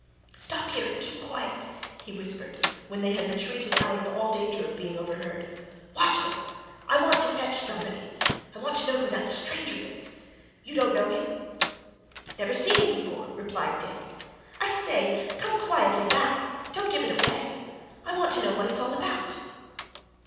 "Stop here, and keep quiet!" he whispered when they had retreated out of all danger of being overheard. "Watch 'em! I want to fetch somebody want to know who that stranger is. You don't know him?" "Never seen him before," replied Dick. "I say! come quietly back don't give it away. I want to know what it's all about."